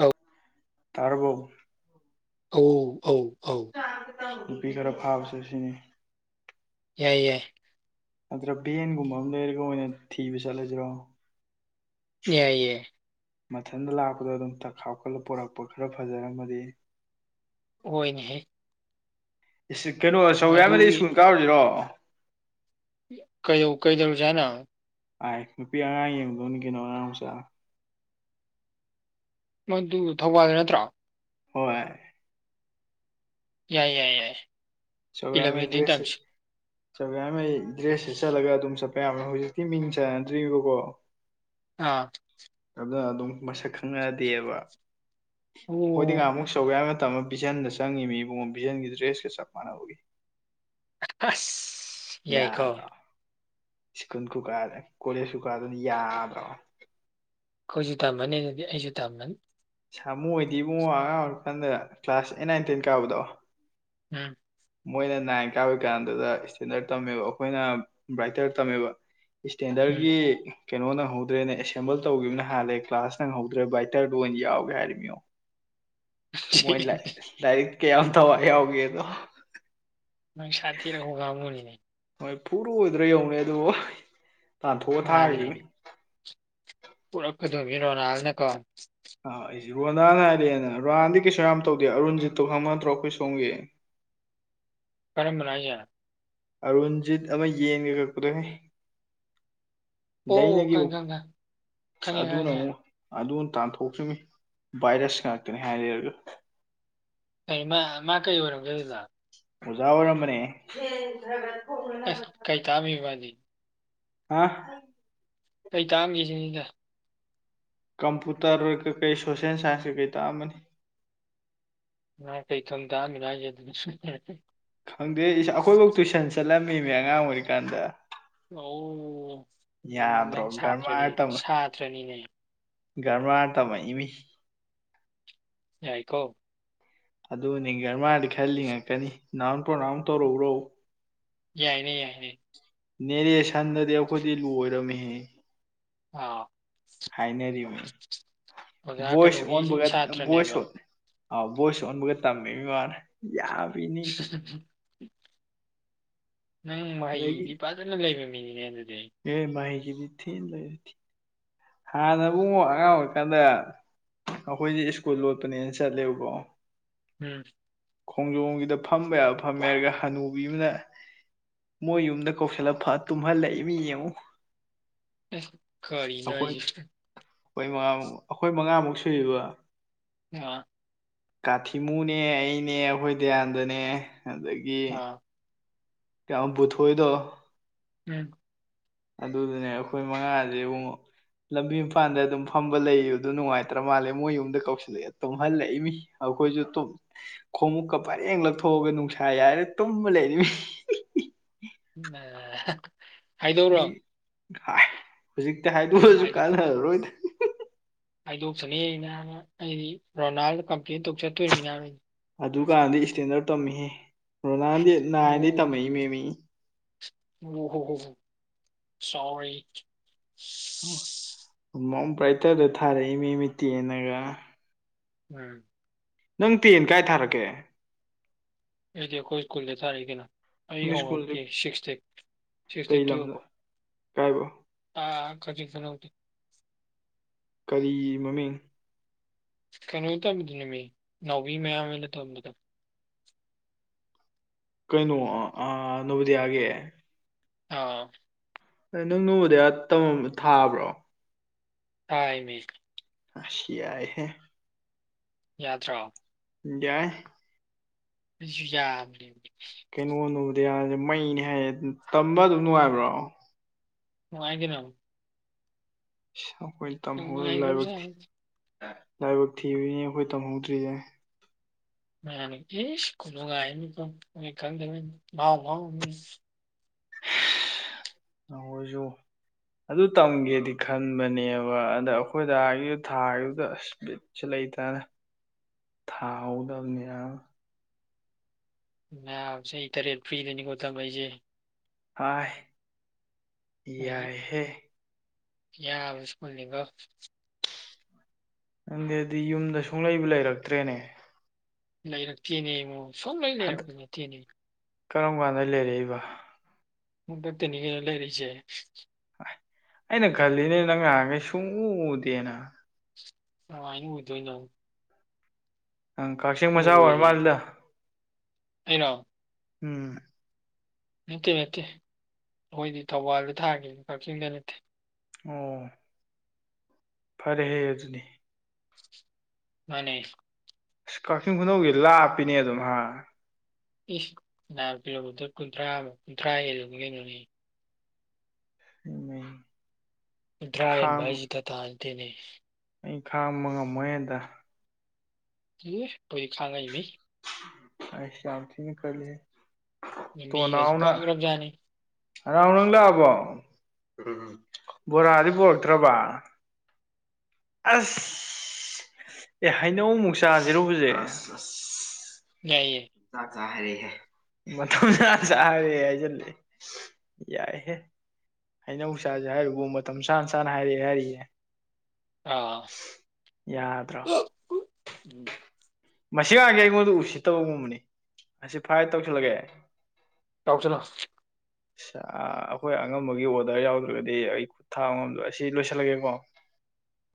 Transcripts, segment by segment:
ꯑꯧ ꯇꯥꯔꯕꯣ ꯑ ꯑ ꯑ ꯅꯨꯄꯤ ꯈꯔ ꯐꯥꯕꯁꯦ ꯁꯤꯅꯤ ꯌꯥꯏ ꯌꯥꯏ ꯅꯠꯇ꯭ꯔ ꯚꯦꯟꯒꯨꯝꯕ ꯑꯃ ꯂꯩꯔꯒ ꯑꯣꯏꯅ ꯊꯤꯕ ꯆꯠꯂꯁꯤꯔꯣ ꯌꯥꯏꯌꯦꯦ ꯃꯊꯟꯇ ꯂꯥꯛꯄꯗ ꯑꯗꯨꯝ ꯇꯛꯈꯥꯎꯞꯀꯠꯂ ꯄꯣꯔꯛꯄ ꯈꯔ ꯐꯖꯔꯝꯒꯗꯤ ꯑꯣꯏꯣꯏꯅꯦ ꯀꯩꯅꯣ ꯆꯧꯦ ꯍꯥꯏꯃ ꯁ꯭ꯀꯨꯜ ꯀꯥꯔꯨꯁꯤꯔꯣ ꯀꯩ ꯀꯩꯗꯔꯖꯅ ꯑꯥꯏ ꯅꯨꯄꯤ ꯑꯉꯥꯡ ꯌꯦꯡꯗꯧꯅꯤ ꯀꯩꯅꯣ ꯑꯉꯥꯡ ꯃꯆꯥꯥ ꯃꯗꯨ ꯊꯧꯕꯥꯜꯗꯨ ꯅꯠꯇ꯭ꯔꯣ ꯍꯣꯏ ꯌꯥꯏ ꯌꯥꯏ ꯌꯥꯏ ꯆꯧꯒ ꯏꯂꯚꯦꯟꯗꯩ ꯗ꯭ꯔꯦꯁ ꯇꯝꯁꯤ ꯆꯧꯒ ꯗ꯭ꯔꯦꯁ ꯑꯦꯁꯥ ꯂ ꯇꯨ ꯁ ꯍꯧꯖꯤꯛꯇꯤ ꯃꯤꯡ ꯆꯥꯟꯅꯗ꯭ꯔꯤꯕꯀꯣ ꯑꯥ ꯑꯗꯨꯅ ꯑꯗꯨꯝ ꯃꯁꯛ ꯈꯪꯉꯛꯑꯗꯤꯕ ꯑꯣ ꯍꯣꯏꯗꯤ ꯉꯍꯥꯃꯨꯛ ꯁꯧ ꯌꯥ ꯃꯇꯝ ꯑꯃ ꯄꯤꯖꯟꯗ ꯆꯪꯉꯤ ꯃꯤ ꯏꯕꯨꯡꯉꯣ ꯄꯤꯖꯟꯒꯤ ꯗ꯭ꯔꯦꯁꯀ ꯆꯞ ꯃꯥꯟꯅꯅꯕꯒꯤ ꯑꯁ ꯌꯥꯏꯀꯣ ꯌꯥꯗ꯭ꯔꯣ ꯁ꯭ꯀꯨꯜ ꯀꯀꯥ ꯀꯣꯂꯦꯖꯁꯨꯨꯀꯥ ꯑꯗꯨꯅ ꯌꯥꯕ꯭ꯔꯣ ꯑꯩꯈꯣꯏꯁꯨ ꯇꯝꯃꯅꯤ ꯑꯗꯨꯗꯤ ꯑꯩꯁꯨ ꯇꯝꯃꯅꯤ ꯁꯥꯃꯣꯏ ꯑꯣꯏꯗꯤ ꯏꯕꯨꯡꯉꯣ ꯑꯉꯥꯡ ꯑꯣꯏꯔꯀꯥꯟꯗ ꯀ꯭ꯂꯥꯁ ꯑꯩꯠ ꯅꯥꯏꯟ ꯇꯦꯟ ꯀꯥꯕꯗꯣ ꯎꯝ ꯃꯣꯏꯅ ꯅꯥꯏꯟ ꯀꯥ ꯑꯣꯏ ꯀꯥꯟꯗꯨꯗ ꯏꯁꯇꯦꯟꯗꯔꯠ ꯇꯝꯃꯦꯕ ꯑꯩꯈꯣꯏꯅ ꯕ꯭ꯔꯥꯏꯇꯔ ꯇꯝꯃꯦꯕ ꯎꯝ ꯏꯁꯇꯦꯟꯗꯔꯒꯤ ꯀꯩꯅꯣ ꯅꯪꯍꯧꯗ꯭ꯔꯦꯅ ꯑꯦꯁꯦꯝꯕꯜ ꯇꯧꯈꯤꯕꯅ ꯍꯥꯜꯂꯦ ꯀ꯭ꯂꯥꯁ ꯅꯪꯍꯧꯗ꯭ꯔꯦ ꯕꯥꯏꯇꯔꯗꯨ ꯑꯣꯏꯅ ꯌꯥꯎꯒꯦ ꯍꯥꯏꯔꯤꯕꯃꯤꯉꯣ ꯃꯣꯏ ꯂꯥꯏꯔꯤꯛ ꯀꯌꯥꯝ ꯊꯋꯥꯏ ꯌꯥꯎꯒꯦꯗꯣ ꯅꯪ ꯁꯥ ꯇꯦꯔꯥ ꯍꯒꯍ ꯍꯣꯅꯤꯅꯦ ꯐꯨꯔꯣꯏꯗ꯭ꯔꯥ ꯌꯧꯅ ꯑꯗꯨꯕꯨ ꯇꯥꯟꯊꯣꯛꯑ ꯊꯥꯔꯗꯤ ꯄꯔ ꯀ ꯑꯗꯨ ꯃꯤꯔꯣ ꯅ ꯍꯥꯜꯅꯦ ꯀꯣ ꯑ ꯑꯩꯁꯦ ꯔꯣꯅꯥꯅ ꯍꯥꯏꯔꯛꯑꯦꯅ ꯔꯣꯅꯥꯥꯟꯗꯤ ꯀꯩꯁꯨ ꯌꯥꯝ ꯇꯧꯗꯦ ꯑꯔꯨꯟꯖꯤꯠꯇꯣ ꯈꯪꯕ ꯅꯠꯇ꯭ꯔꯣ ꯑꯩꯈꯣꯏ ꯁꯣꯝꯒꯤ [unintelligible] ꯔ ꯃꯂ ꯌꯥꯔ ꯑꯔꯨꯟꯖꯤꯠ ꯑꯃ ꯌꯦꯡꯒꯦ ꯀꯛꯄꯗꯍ ꯑꯣ ꯗꯩꯅꯒꯤ ꯎ ꯈꯪꯉꯦ ꯈꯪꯉꯦ ꯈꯪꯉꯦ ꯈꯪꯉꯦ ꯑꯗꯨꯅ ꯈꯪꯉꯦ ꯑꯃꯨꯛ ꯑꯗꯨ ꯇꯥꯟꯊꯣꯛꯇ꯭ꯔꯤꯅꯤ ꯚꯥꯏꯔꯁ ꯉꯥꯛꯇꯅꯤ ꯍꯥꯏꯔꯦꯔꯒ ꯀꯩ ꯃꯥ ꯀꯩ ꯑꯣꯏꯔ ꯀꯗ ꯑꯣꯖꯥ ꯑꯣꯏꯔꯝꯕꯅꯦ ꯑꯁ ꯀꯩ ꯇꯥꯝꯃꯤꯕꯅꯤ ꯑ ꯀꯩ ꯇꯥꯝꯒꯦ ꯁꯤꯗ ꯀꯝꯄꯨꯇꯔ ꯀꯩꯀꯩ ꯁꯣꯁꯦꯜ ꯁꯥꯏꯟꯁꯀꯩꯀꯩ ꯇꯥꯛꯑꯝꯃꯅꯤ ꯑ ꯀꯩꯊꯣ ꯇꯃꯤꯅꯥꯦ ꯑꯗꯨ ꯃꯤ ꯃ ꯌꯦꯉꯥꯡ ꯑꯣꯏ ꯀꯥꯟꯗ ꯑꯣ ꯌꯥꯗ꯭ꯔꯣ ꯪ ꯁꯥꯇ꯭ꯔꯅꯤ ꯁꯥꯇ꯭ꯔꯅꯤꯅꯦ ꯔꯃ ꯇꯃ ꯏꯃꯤ ꯌꯥꯏꯀꯣ ꯑꯗꯨꯅꯦ ꯔꯃꯥꯗꯤ ꯈꯜꯂꯤꯉꯛꯀꯅꯤ ꯅꯥꯎꯟ ꯄ꯭ꯔꯣꯅꯥꯎꯟ ꯇꯧꯔꯎꯔꯛꯎ ꯌꯥꯏꯅꯦ ꯌꯥꯏ ꯅꯦꯔꯦ ꯁꯟꯗꯗꯤ ꯑꯩꯈꯣꯏꯗꯤ ꯂꯣꯏꯔꯝꯃꯤꯍꯦ ꯑ ꯍꯥꯏꯅꯔꯤꯕꯅꯤ ꯑꯣꯖꯥ ꯚꯣꯏꯁ ꯀꯩꯅꯣꯒꯤ ꯑꯣꯟꯕꯒ ꯚꯣꯏꯁ ꯁꯥꯇ꯭ꯔꯅꯦꯕ ꯍꯠ ꯑꯥꯎ ꯕꯣꯏ ꯁꯣꯟꯕꯒ ꯇꯝꯃꯤ ꯋꯥꯅ ꯌꯥꯝ [unintelligible] ꯅꯪ ꯑꯗꯒꯤ ꯃꯍꯩꯗꯤ ꯐꯖꯅ ꯂꯩꯕ ꯃꯤꯅꯤꯅꯦ ꯑꯗꯨꯗꯤ ꯑꯦ ꯃꯥꯍꯤꯒꯤꯗꯤ ꯊꯤ ꯂꯩ ꯍꯥꯟꯅꯕꯨꯨꯡꯉ ꯑꯉꯥꯡ ꯑꯣꯏꯔꯀꯥꯟꯗ ꯑꯩꯈꯣꯏꯗꯤꯦ ꯁ꯭ꯀꯨꯜ ꯂꯣꯠꯄꯅꯦꯅ ꯆꯠꯂꯦꯕꯕꯣ ꯎꯝ ꯈꯣꯡꯖꯣꯝꯒꯤꯗ ꯐꯝꯕ ꯌꯥꯕ ꯐꯝꯃꯦ ꯍꯥꯏꯔꯒ ꯍꯅꯨꯕꯤ ꯑꯃꯅ ꯃꯣꯏ ꯌꯨꯝꯗ ꯀꯧꯁꯤꯜꯂ ꯐ ꯇꯨꯝꯍꯜꯂꯛꯏ ꯃꯤ ꯌꯦꯡꯉꯨ ꯀꯔꯤꯅ ꯑꯩꯈꯣꯏ ꯑꯩꯈꯣꯏ ꯃꯉꯥꯃꯨꯛ ꯑꯩꯈꯣꯏ ꯃꯉꯥꯃꯨꯛ ꯁꯨꯏꯕ ꯑ ꯀꯥꯊꯤꯃꯨꯅꯦ ꯑꯩꯅꯦ ꯑꯩꯈꯣꯏ ꯗꯌꯥꯟꯗꯅꯦ ꯑꯗꯒꯤ ꯑꯥ ꯀꯕꯨꯊꯣꯏꯗ ꯎꯝ ꯑꯗꯨꯗꯨꯅꯦ ꯑꯩꯈꯣꯏ ꯃꯉꯥꯗꯤꯨ ꯂꯝꯕꯤ ꯏꯝꯐꯥꯜꯗ ꯑꯗꯨꯝ ꯐꯝꯕ ꯂꯩ ꯑꯗꯨ ꯅꯨꯡꯉꯥꯏꯇ꯭ꯔ ꯃꯥꯜꯂꯦ ꯃꯣꯏ ꯌꯨꯝꯗ ꯀꯧꯁꯤꯜꯂꯛꯑꯦ ꯇꯨꯝꯍꯜꯂꯛꯏ ꯃꯤ ꯑꯩꯈꯣꯏꯁꯨ ꯈꯣꯡꯎꯨꯞꯀ ꯄꯔꯦꯡ ꯂꯧꯊꯣꯛꯑꯒ ꯅꯨꯡꯁꯥ ꯌꯥꯔꯦ ꯇꯨꯝꯕ ꯂꯩꯔꯤꯕꯔꯤ [unintelligible] ꯑꯗꯔꯕ ꯥꯏ ꯍꯧꯖꯤꯛꯇꯤ ꯍꯥꯏꯗꯣꯛꯑꯁꯨ ꯀꯥꯟꯅꯔꯔꯣꯏꯗꯅꯤ ꯍꯥꯏꯗꯣꯛꯆꯅꯤ ꯅꯅ ꯑꯩꯗꯤ ꯔꯣꯅꯥꯜꯗ ꯀꯝꯄ꯭ꯂꯦꯟ ꯇꯧ ꯆꯠꯇꯣꯔꯤꯃꯤꯅꯔꯣꯏꯅꯤ ꯑꯗꯨꯀꯥꯟꯗꯤ ꯏꯁꯇꯦꯟꯗꯔꯠ ꯇꯝꯃꯤꯍꯦ ꯔꯣꯅꯥꯜꯗ ꯅꯥꯏꯟꯗꯒꯤꯩ ꯇꯝꯃꯛꯏ ꯃꯦꯝꯃꯤ ꯎ ꯍꯣ ꯍꯣ ꯍ ꯁꯣꯔꯤ ꯎ ꯃꯣꯝ ꯕ꯭ꯔꯥꯏꯇꯔꯗ ꯊꯥꯔꯛꯏ ꯃꯤ ꯃꯤꯠ ꯇꯦꯅꯒ ꯎꯝ ꯅꯪ ꯇꯦꯟ ꯀꯥꯏ ꯊꯥꯔꯛꯀꯦ ꯑꯩꯗꯤ ꯑꯩꯈꯣꯏ ꯁ꯭ꯀꯨꯜꯗ ꯊꯔꯔꯤ ꯀꯅ ꯑꯩ ꯅꯣꯏ ꯁ꯭ꯀꯨꯜꯁꯦ ꯍꯣꯡꯂꯛꯇꯦ ꯁꯤꯛꯁ ꯗꯤ ꯁꯤꯛꯁ ꯗꯦ ꯇꯨꯐꯧ ꯀꯥꯏꯕꯧ ꯑ ꯈꯖꯤꯡ ꯈꯨꯅꯧꯗꯩꯅꯦ ꯀꯔꯤ ꯃꯃꯤꯡ ꯀꯩꯅꯣ ꯇꯝꯕꯗꯨ ꯅꯃꯤ ꯅꯥꯎꯕꯤ ꯃꯌꯥꯝꯅ ꯊꯝꯕꯗ ꯀꯩꯅꯣ ꯑ ꯅꯕꯗꯤꯌꯥꯒꯤ ꯑ ꯅꯪ ꯅꯣꯕꯣꯗꯤꯌ ꯊꯥꯕ꯭ꯔꯣ ꯊꯥꯏ ꯃꯤ ꯑꯁ ꯌꯥꯏ ꯍꯦ ꯌꯥꯗ꯭ꯔꯥ ꯌꯥꯏ ꯁꯨ ꯌꯥ ꯂꯩ [unintelligible] ꯑꯗꯨ ꯃꯩꯅꯦ ꯍꯥꯏꯌꯦ ꯇꯝꯕ ꯑꯗꯨꯝ ꯅꯨꯡꯉꯥꯏꯕ꯭ꯔꯣ ꯋꯥꯥꯏ ꯀꯅ ꯁ ꯇꯝ ꯍꯤ [inaudible] ꯅꯨꯡꯉꯥꯏꯒ꯭ꯔꯕꯖꯥꯠꯅꯤ ꯂꯥꯏꯕꯛ ꯊꯤꯕꯅꯤ ꯑꯩꯈꯣꯏ ꯇꯝꯍꯧꯗ꯭ꯔꯤꯌꯦ ꯃ ꯏꯁ ꯀꯨꯂꯒꯅꯤ ꯈꯪꯗꯥꯎꯥꯎ ꯃꯤ ꯅ ꯑꯣꯏꯁꯨ ꯑꯗꯨ ꯇꯝꯒꯦꯗꯤ ꯈꯟꯕꯅꯦꯕ ꯑꯗ ꯑꯩꯈꯣꯏꯗ ꯍꯥꯏꯒꯤ ꯊꯥꯗꯨꯗ ꯑꯁ ꯕꯤꯠꯁ ꯂꯩ ꯑꯩ ꯇ ꯊꯥꯎꯗꯅꯤ ꯌꯥ ꯃꯌ ꯆꯍꯤ ꯇꯔꯦꯠ ꯐ꯭ꯔꯤꯗꯅꯤꯀꯣ ꯇꯃꯥꯏꯁꯦ ꯍꯥꯏ ꯌꯥꯏꯍꯦ ꯌꯥꯕꯁ꯭ꯨꯀꯜꯂꯤꯕꯣ ꯅꯪꯗꯦꯗꯤ ꯌꯨꯝꯗ ꯁꯨꯡꯂꯩꯕꯨ ꯂꯩꯔꯛꯇ꯭ꯔꯦꯅꯦ ꯂꯩꯔꯛꯇꯦꯅꯦ ꯏꯉꯣ ꯁꯨꯡꯂꯩ ꯍꯟꯗꯛ ꯂꯩꯔꯛꯄ ꯅꯠꯇꯦꯅꯦ ꯀꯔꯝ ꯀꯥꯟꯗ ꯂꯩꯔꯛꯏꯕ ꯗ ꯇꯅꯤ ꯀ ꯂꯩꯔꯤꯁꯦ ꯑꯩꯅ ꯈꯜꯂꯤꯅꯦ ꯅꯪ ꯉꯥꯡꯈꯩ ꯁꯨꯡꯎ ꯎꯗꯦꯅ ꯑꯥꯏꯅ ꯎꯗꯣꯏ ꯅ ꯑꯪ ꯀꯛꯆꯤꯡ ꯃꯆꯥ ꯑꯣꯏꯔ ꯃꯥꯜꯗ ꯑꯩꯔꯣ ꯎꯝ ꯅꯠꯇꯦ ꯅꯠꯇꯦ ꯑꯩꯈꯣꯏꯗꯤ ꯊꯧꯕꯥꯜꯗ ꯊꯥꯈꯤ ꯀꯛꯆꯤꯡꯗ ꯅꯠꯇꯦ ꯑꯣ ꯐꯔꯦ ꯍꯌꯦ ꯑꯗꯨꯅꯤ ꯃꯥꯅꯦ ꯑꯁ ꯀꯛꯆꯤꯡ ꯈꯨꯅꯧꯒꯤ ꯂꯥꯞꯄꯤꯅꯦ ꯑꯗꯨꯝ ꯍꯥ ꯏꯁ ꯅꯥ ꯀꯤꯂꯣꯃꯤꯇꯔ ꯀꯨꯟꯊ꯭ꯔꯥ ꯑꯃ ꯀꯨꯟꯊ꯭ꯔꯥ ꯍꯦꯜꯂꯕ ꯀꯩꯅꯣꯅꯦ ꯃꯦ [unintelligible] ꯗ꯭ꯔꯥꯏꯟ ꯏꯁꯤꯗ ꯇꯗꯅꯦ ꯑꯩ ꯈꯥꯝꯕ ꯉꯝꯃꯣꯏꯗ ꯍꯣꯏ ꯁꯥꯡꯉꯥꯏꯏ [unintelligible] ꯃꯤ ꯑꯁ ꯌꯥꯝ ꯊꯤꯅ ꯀꯂꯦ ꯂꯝꯕꯤꯒꯁꯦ ꯇꯣꯅꯥꯎꯅ ꯄꯛꯈ꯭ꯔꯕꯖꯥꯠꯅꯤ ꯑꯔꯥꯎ ꯅꯪ ꯂꯥꯛꯑꯕꯣ ꯎ ꯕꯣꯔꯥꯗꯤ ꯄꯣꯔꯛꯇ꯭ꯔꯕ ꯑꯁ ꯑꯦ ꯍꯩꯅꯧ ꯃꯨꯛ ꯆꯥꯁꯤꯔꯨꯕꯁꯦ ꯌꯥꯏꯌꯦ ꯔꯦ ꯃꯇꯝ ꯆꯥ ꯆꯥꯔꯦꯦ ꯍꯥꯏꯁꯤꯂ ꯌꯥꯏꯍꯦ ꯍꯩꯅꯧꯁꯥꯁꯦ ꯍꯥꯏꯔꯨꯕꯨ ꯃꯇꯝ ꯁꯥꯅ ꯁꯥꯅ ꯍꯥꯏꯔꯛꯑꯦ ꯍꯥꯏꯔꯛꯑꯦ ꯑꯥꯝ ꯌꯥꯗ꯭ꯔꯣ ꯃꯁꯤꯒꯥꯡꯒꯤꯦ ꯑꯩꯉꯣꯟꯗ ꯎꯁꯤꯠꯇꯕꯒꯨꯝꯕꯅꯤ ꯑꯁꯤ ꯐ꯭ꯔꯥꯏ ꯇꯧꯁꯤꯜꯂꯒꯦ ꯆꯥꯎꯥꯎ ꯆꯅꯥ ꯑꯩꯈꯣꯏ ꯑꯉꯝꯕꯒꯤ ꯑꯣꯔꯗꯔ ꯌꯥꯎꯗ꯭ꯔꯒꯗꯤ ꯑꯩ ꯈꯨꯠ ꯊꯥ ꯑꯃꯝꯗ ꯑꯁꯤ ꯂꯣꯏꯁꯤꯜꯂꯒꯦꯀꯣ [inaudible]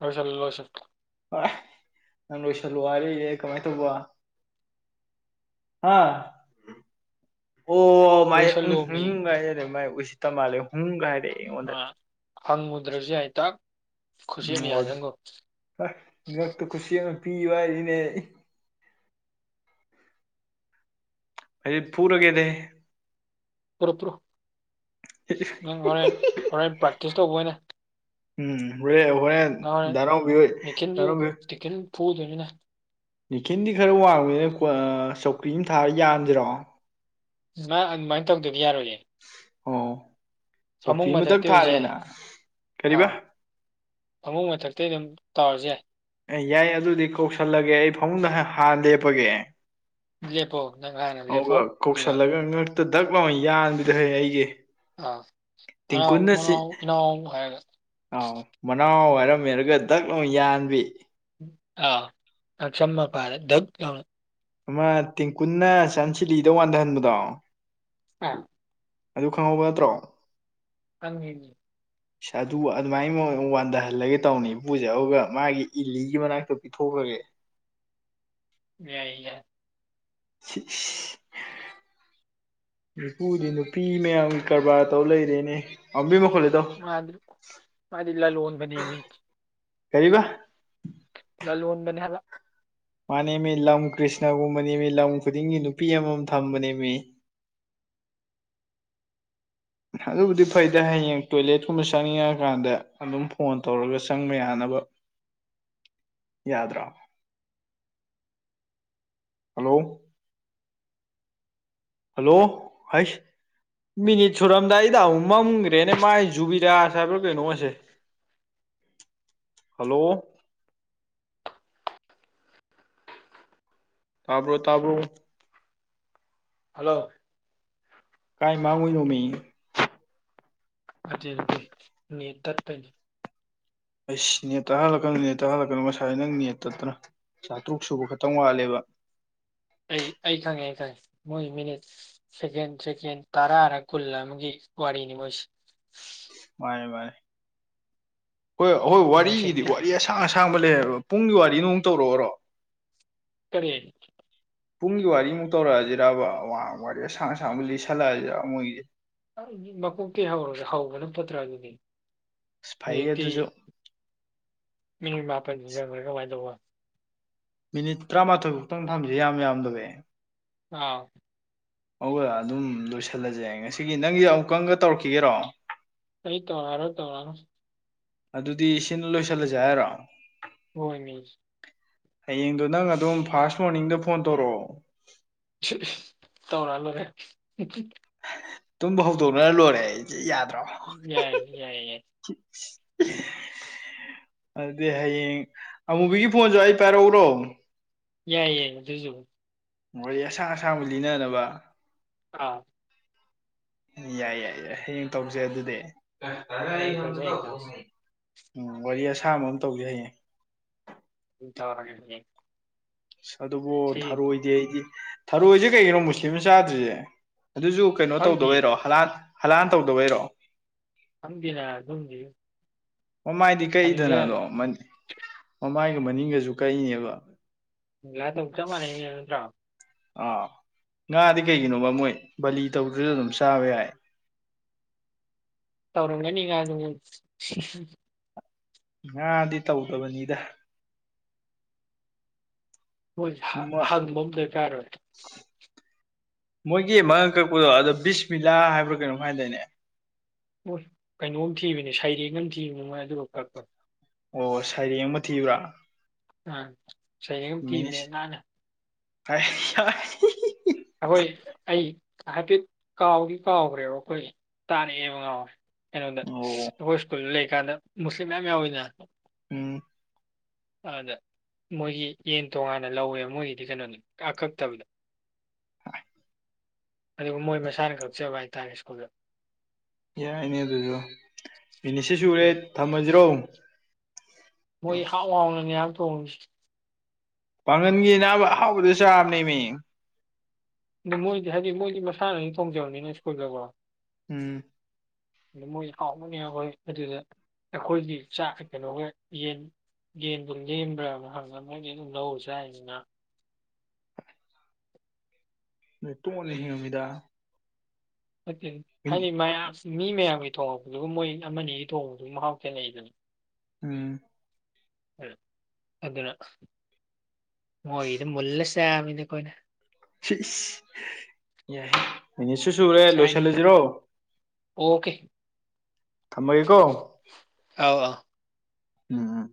ꯍꯁꯜꯂꯣꯁ ꯌꯥꯝꯁꯂꯨ ꯋꯥꯔꯦ ꯀꯃꯦꯥꯏ ꯇꯧꯕ ꯍꯥ ꯑꯣ ꯃꯥꯏ ꯎ ꯂꯣꯏꯁꯜꯂꯣꯃꯤ ꯍꯨꯝꯒꯥꯏꯔꯦꯔꯦ ꯃꯥꯏ ꯎꯏꯁꯤꯠꯇ ꯃꯥꯜꯂꯦ ꯍꯨꯝꯒꯥꯏꯔꯦꯑꯦ ꯑꯩꯉꯣꯟꯗ ꯐꯪꯉꯨꯗ꯭ꯔꯁꯨ ꯑꯩꯏꯇꯥꯛ ꯎꯝ ꯍꯛꯇ ꯈꯨꯁꯤꯅ ꯄꯤꯋꯥꯔꯤꯅꯦ ꯄꯨꯔꯒꯦꯗꯦ ꯔꯄ꯭ꯔꯣ ꯅꯪ ꯍꯣꯔꯦꯟ ꯍꯣꯔꯦꯟ ꯄ꯭ꯔꯦꯛꯇꯤꯁ ꯇꯧꯕ ꯑꯣꯏꯅ ꯎꯝ ꯔꯦ ꯍꯣꯏ ꯅꯪ ꯍꯣꯔꯦꯟ ꯗꯔꯥꯡꯕꯤ ꯗꯔꯕꯤ ꯐꯣꯗꯅꯤꯅ ꯅꯤꯀꯤꯜꯗꯤ ꯈꯔ ꯋꯥꯡꯕꯅꯤꯅ ꯆꯧꯀ꯭ꯔꯤ ꯑꯃ ꯊꯥꯔ ꯌꯥꯟꯗꯔꯣ ꯃꯥ ꯑꯗꯨꯃꯥꯏꯅ ꯇꯧꯗꯒꯤ ꯌꯥꯔꯣꯏꯅꯦꯦ ꯑꯣ ꯐꯃꯨꯡ ꯆꯧꯀ꯭ꯔꯤ ꯑꯃꯗꯪ ꯃꯊꯛꯇꯤ ꯑꯣꯏꯁꯨ ꯌꯥꯏ ꯊꯥꯔꯦꯅ ꯑꯥ ꯀꯔꯤꯕ ꯐꯃꯨꯡ ꯃꯊꯛꯇꯤ ꯑꯗꯨꯝ ꯇꯧꯔꯁꯨ ꯌꯥꯏ ꯑꯦ ꯌꯥꯏ ꯑꯗꯨꯗꯤ ꯀꯧꯁꯜꯂꯒꯦ ꯑꯩ ꯐꯃꯨꯡꯗ ꯍꯥꯟꯅ ꯂꯦꯞꯄꯒꯦ ꯏꯦ ꯄꯣ ꯑꯗꯨꯒ ꯀꯧꯁꯜꯂꯒ ꯉꯛꯇ ꯗꯛ ꯂꯥꯎ ꯌꯥꯟꯗꯨꯗꯤ ꯍ ꯑꯩꯒꯤ ꯑꯥ ꯃꯅꯥꯎ ꯇꯀꯨꯟꯅꯁꯤ ꯃꯅꯥꯎ ꯏꯅꯥꯎ ꯍꯥꯏꯔꯒ ꯑꯥꯎ ꯃꯅꯥꯑꯣ ꯍꯥꯏꯔ ꯃꯔꯝꯃꯦꯔꯒ ꯗꯛ ꯂꯅꯨꯡ ꯌꯥꯟꯕꯤ ꯑ ꯀꯃ ꯄꯥꯔꯦ ꯑꯃ ꯇꯦꯡꯀꯨꯟꯅ ꯆꯥꯟꯁꯤꯂꯤꯗ ꯋꯥꯟꯊꯍꯟꯕꯗꯣ ꯑꯥ ꯑꯗꯨ ꯈꯪꯍꯧꯕ ꯅꯠꯇ꯭ꯔꯣ ꯀ ꯑꯗꯨ ꯑꯗꯨꯃꯥꯏꯅ ꯃꯑꯣ ꯋꯥꯟꯊꯍꯜꯂꯒꯦ ꯇꯧꯅꯤ ꯏꯄꯨꯁꯦ ꯑꯗꯨꯒ ꯃꯥꯒꯤ ꯏꯂꯤꯒꯤ ꯃꯅꯥꯛꯇꯣ ꯄꯤꯊꯣꯛ ꯑꯣꯏꯦ ꯌꯥꯏꯒ [unintelligible] ꯄꯨꯗꯤ ꯅꯨꯄꯤ ꯃꯌꯥꯝꯒꯤ ꯀꯔꯕꯥꯔ ꯇꯧ ꯂꯩꯔꯦꯅꯦ ꯑꯝꯕꯤ ꯃꯈꯣꯜ ꯂꯩꯗꯧ ꯃꯥꯗꯤꯂ ꯂꯣꯟꯣꯟꯕꯅꯤꯃꯤ ꯀꯔꯤꯕ ꯂꯂ ꯎꯟꯗꯅꯤꯂ ꯃꯥꯅꯦ ꯃꯤ ꯂꯝ ꯀ꯭ꯔꯤꯁꯅꯒꯨꯝꯕ ꯅꯃꯤ ꯂꯝ ꯈꯨꯗꯤꯡꯒꯤ ꯅꯨꯄꯤ ꯑꯃꯃꯝ ꯊꯝꯕꯅꯦꯃꯤ ꯑꯗꯨꯕꯨꯗꯤ ꯐꯩꯗꯤ ꯍꯌꯦꯡ ꯇꯣꯏꯂꯦꯠꯀꯨꯝꯕ ꯆꯪꯅꯤꯡꯉꯀꯥꯟꯗ ꯑꯗꯨꯝ ꯐꯣꯟ ꯇꯧꯔꯒ ꯆꯪꯕ ꯌꯥꯅꯕ ꯌꯥꯗ꯭ꯔꯥꯥꯎ ꯍꯂꯣ ꯍꯜꯂꯣ ꯑꯩꯁ ꯃꯤꯅꯤꯠ ꯁꯨꯔꯝꯗꯥꯏꯗ ꯑꯃꯨꯛ ꯃꯝꯈ꯭ꯔꯦꯅꯦ ꯃꯥꯏ ꯖꯨꯕꯤꯔꯖ ꯍꯥꯏꯕ꯭ꯔꯥ ꯀꯩꯅꯣꯁꯦ ꯍꯂꯣ ꯇꯥꯕ꯭ꯔꯣ ꯇꯥꯕ꯭ꯔꯣ ꯍꯜꯂꯣ ꯀꯥꯏ ꯃꯥꯒꯏꯅꯣꯃꯤ ꯑꯗꯨ ꯑꯗꯨꯗꯤ ꯅ ꯇꯠꯄꯅꯦ ꯑꯩꯁ ꯅꯦꯠꯇ ꯇ ꯍꯜꯂꯛꯀꯅ ꯅꯦꯠꯇ ꯇ ꯍꯜꯂꯛꯀꯅ ꯉꯁꯥꯏ ꯅꯪ ꯅꯦꯠꯇ ꯇꯠꯇ꯭ꯔꯥ ꯆꯥꯇ꯭ꯔꯨꯛ ꯁꯨꯕ ꯈꯛꯇꯪ ꯋꯥꯠꯂꯦꯕ ꯑꯩ ꯑꯩ ꯈꯪꯉꯦ ꯑꯩ ꯈꯪꯉꯦ ꯃꯣꯏ ꯃꯤꯅꯤꯠ ꯁꯦꯀꯦꯟ ꯁꯦꯀꯦꯟ ꯇꯔꯥꯅ ꯀꯨꯜ ꯑꯃꯒꯤ ꯋꯥꯅꯤ ꯃꯁ ꯃꯥꯅꯦ ꯃꯥꯅꯦ ꯍꯣꯏ ꯑꯩꯍꯣꯏ ꯃꯣꯏ ꯋꯥꯔꯤꯒꯤꯗꯤ ꯁꯦꯀꯦꯟ ꯋꯥꯔꯤ ꯑꯁꯥꯡ ꯑꯁꯥꯡꯕ ꯂꯩꯕ ꯄꯨꯡꯒꯤ ꯋꯥꯔꯤ ꯅꯨꯡꯃꯨꯛ ꯇꯧꯔꯛꯑꯣꯔꯣ ꯀꯔꯤ ꯄꯨꯡꯒꯤ ꯋꯥꯔꯤꯃꯨꯛ ꯇꯧꯔꯛꯑꯁꯤꯔꯔꯕ ꯑꯡ ꯋꯥꯔꯤ ꯑꯁꯥꯡ ꯑꯁꯥꯡꯕ ꯂꯤꯠꯁꯜꯂꯛꯑꯁꯤꯔ ꯃꯣꯏꯒꯤꯁꯦ ꯃꯀꯣꯛꯇꯤ ꯍꯧꯔꯁꯦ ꯍꯧꯕꯅ ꯐꯠꯇ꯭ꯔꯥ ꯑꯗꯨꯗꯤ ꯑꯁ ꯐꯩꯌꯦ ꯍꯧꯖꯤꯛꯇꯤ ꯑꯗꯨꯁꯨ ꯃꯤꯅꯤꯠ ꯃꯥꯄꯟꯗꯨ ꯆꯪꯈ꯭ꯔꯦ ꯀꯃꯥꯏꯅ ꯇꯧꯕ ꯃꯤꯅꯤꯠ ꯇꯔꯥꯃꯥꯊꯣꯏ ꯐꯨꯛꯇꯪ ꯊꯝꯁ ꯌꯥꯝ ꯌꯥꯝꯗꯕꯦ ꯑꯥ ꯑꯣ ꯑꯗꯨꯝ ꯂꯣꯏꯁꯤꯜꯂꯁꯦ ꯉꯁꯤꯒꯤ ꯅꯪꯁ ꯑꯃꯨꯛꯀꯪꯒ ꯇꯧꯔꯛꯈꯤꯒꯦꯔꯣ ꯑꯩ ꯇ ꯍꯥꯏꯔ ꯇꯧꯔ ꯑꯗꯨꯗꯤ ꯁꯤꯅ ꯂꯣꯏꯁꯤꯜꯂꯁꯦ ꯍꯥꯏꯔꯣ ꯍꯣꯏ ꯃꯤ ꯍꯌꯦꯡꯗꯨꯣ ꯅꯪ ꯑꯗꯨꯝ ꯐꯥꯔꯁ ꯃꯣꯔꯅꯤꯡꯗ ꯐꯣꯟ ꯇꯧꯔꯛꯑꯣ ꯇꯧꯔꯛ ꯂꯔꯦ ꯇꯨꯝꯕ ꯍꯧꯗꯣꯛꯅꯔ ꯂꯣꯏꯔꯦ ꯑꯩꯁꯦ ꯌꯥꯗ ꯌꯥꯏ ꯌꯥꯏꯏ [unintelligible] ꯑꯗꯨꯗ ꯍꯌꯦꯡ ꯑꯃꯨꯕꯤꯒꯤ ꯐꯣꯟꯁꯨꯏ ꯄꯥꯏ ꯔꯛ ꯎꯔꯣ ꯌꯥꯏꯌꯦ ꯌꯥꯏ ꯑꯗꯨꯖ ꯃꯣꯔꯣꯏ ꯑꯁꯥꯡ ꯑꯁꯥꯡꯕꯨ ꯂꯤꯅꯅꯕ ꯑꯥ ꯌꯥꯏ ꯌꯥꯏ ꯌꯥꯏ ꯍꯌꯦꯡ ꯇꯧꯁꯦ ꯑꯗꯨꯗꯤ ꯀ ꯇꯔꯒ ꯑꯩ ꯍꯌꯦꯡ ꯇꯧꯁꯤ ꯍꯌꯦꯡ ꯌꯥꯝꯗꯗꯈ ꯇꯧꯁꯤ ꯎꯝ ꯋꯥꯔꯤ ꯑꯁꯥꯕ ꯑꯃ ꯇꯧꯁ ꯍꯌꯦ ꯆ ꯑꯁ ꯑꯗꯨꯕꯨ ꯊꯔꯣꯏꯗꯤ ꯑꯩꯗꯤ ꯊꯔꯣꯏꯁꯦ ꯀꯩꯒꯤꯅꯣ ꯃꯨꯁꯂꯤꯝ ꯆꯥꯗ꯭ꯔꯤꯁꯦ ꯑꯗꯨꯁꯨ ꯀꯩꯅꯣ ꯈꯪꯗꯤꯌꯦ ꯇꯧꯗꯧꯕꯩꯔꯣ ꯍꯂꯥꯟ ꯍꯂꯥꯟ ꯇꯧꯗꯧꯕꯩꯔꯣ ꯊꯒꯅ ꯊꯝꯒꯤ ꯃꯃꯥꯏꯗꯤ ꯀꯛꯏꯗꯅ ꯑꯗꯣ ꯃꯃꯥꯏꯒ ꯃꯅꯤꯡꯒꯁꯨ ꯀꯛꯏꯅꯦꯕ ꯏ ꯃꯅꯤꯠꯇ꯭ꯔ ꯑꯥ ꯉꯥꯗꯤ ꯀꯩꯒꯤꯅꯣꯕ ꯃꯣꯏ ꯕꯥꯂꯤ ꯇꯧꯗꯁꯨ ꯑꯗꯨꯝ ꯆꯥꯕ ꯌꯥꯏ [unintelligible] ꯇꯧꯔ ꯑꯗꯨ ꯉꯥꯗꯤ ꯇꯧꯗꯕꯅꯤꯗ ꯃꯣꯏ ꯍꯪꯕꯝꯗ ꯀꯥꯔ ꯑꯣꯏ ꯃꯣꯏꯒꯤ ꯑꯃꯒ ꯀꯛꯄꯗꯣ ꯑꯗꯣ ꯕꯤꯁꯃꯤꯂꯥ ꯍꯥꯏꯕ꯭ꯔꯥ ꯀꯩꯅꯣꯝꯃꯥꯏꯅ ꯂꯩꯅꯦ ꯑꯣ ꯀꯩꯅꯣꯝ ꯊꯤꯕꯅꯦ ꯁꯩꯔꯦꯡ ꯑꯃ ꯊꯤꯕ ꯃꯣꯏ ꯑꯗꯨꯒ ꯀꯛꯄꯅꯦ ꯑꯣ ꯁꯩꯔꯦꯡ ꯑꯃ ꯊꯤꯕ꯭ꯔꯥ ꯎꯝ ꯁꯩꯔꯦꯡꯒ ꯀꯤꯕꯅꯦ ꯉꯅ ꯍꯥꯏ ꯑꯩꯈꯣꯏ ꯑꯩ ꯍꯥꯏꯐꯦꯠ ꯀꯥꯎꯗꯤ ꯀꯥꯎꯈ꯭ꯔꯦꯕ ꯑꯩꯈꯣꯏ ꯇꯥꯔꯛꯑꯦ ꯑꯃ ꯉꯥꯎꯔꯦ ꯀꯩꯅꯣꯗ ꯑꯣ ꯍꯈꯣꯏ ꯁ꯭ꯀꯨꯜ ꯂꯩꯀꯥꯟꯗ ꯃꯨꯁꯂꯤꯝ ꯃꯌꯥꯝ ꯌꯥꯎꯋꯅ ꯎꯝ ꯑꯗꯦ ꯃꯣꯏꯒꯤ ꯌꯦꯟ ꯇꯣꯉꯥꯟꯅ ꯂꯧꯋꯦꯕ ꯃꯣꯏꯒꯤꯗꯤ ꯀꯩꯅꯣꯅꯤ ꯑꯀꯛꯇꯕꯗ ꯑꯗꯨ ꯃꯣꯏ ꯃꯁꯥꯅ ꯀꯛꯆꯕ ꯍꯥꯏꯇꯥꯔꯦ ꯁ꯭ꯀꯨꯜꯗ ꯌꯥꯏꯅꯦ ꯑꯗꯨꯁꯨ ꯃꯤꯅꯦꯠ ꯁꯤ ꯁꯨꯔꯦ ꯊꯝꯃꯁꯤꯔꯣ ꯃꯣꯏ ꯍꯥꯛ ꯋꯥꯡꯅꯅꯦ ꯌꯥꯝ ꯇꯣꯡꯔꯤꯁꯤ ꯄꯥꯡꯒꯟꯒꯤ ꯅꯅꯥꯕ ꯑꯍꯥꯎꯕꯗ ꯆꯥꯕꯅꯦ ꯏ ꯃꯤ ꯑꯗꯨ ꯃꯣꯏꯗꯤ ꯍꯥꯏꯗꯤ ꯃꯣꯏꯗꯤ ꯃꯁꯥꯅ ꯊꯣꯡꯖꯕꯅꯤꯅ ꯁ꯭ꯀꯨꯜꯗꯀꯣ ꯎꯝ ꯃꯣꯏ ꯀꯥꯎꯅꯅꯤ ꯑꯩꯈꯣꯏ ꯑꯗꯨꯗ ꯑꯩꯈꯣꯏꯗꯤ ꯆꯥꯛ ꯀꯩꯅꯣꯒ ꯌꯦꯟ ꯌꯦꯟꯗꯨ ꯂꯦꯝꯕ꯭ꯔꯥꯅ ꯍꯪ ꯃꯣꯏꯗꯤ ꯑꯗꯨꯝ ꯂꯧ ꯆ ꯍꯥꯏꯅꯤꯅ ꯇꯨꯃꯅꯤ ꯑꯃꯃꯤꯗꯥ ꯐꯀꯦ ꯍꯥꯏꯗꯤ ꯃꯌꯥꯝ ꯃꯤ ꯃꯌꯥꯝꯒꯤ ꯊꯣꯡꯂꯛꯄꯗꯨꯒ ꯃꯣꯏ ꯑꯃꯅꯤ ꯑꯒꯤ ꯊꯣꯛꯣꯡꯕꯗꯨ ꯃꯍꯥꯎ ꯆꯅꯩꯗꯅꯤ ꯎꯝ ꯎ ꯑꯗꯨꯅ ꯃ ꯏꯗꯤ ꯃꯂꯁꯦ ꯏꯗꯤ ꯀꯣꯏꯅ ꯌꯥꯏ ꯃꯤꯅꯤꯠꯁꯨ ꯁꯨꯔꯦ ꯆꯥꯏꯃꯤ ꯂꯣꯏꯁꯤꯜꯂꯁꯤꯔꯣ ꯑꯣꯀꯦ ꯊꯃꯒꯀꯣ ꯑꯥꯎ ꯑꯥꯎ ꯑ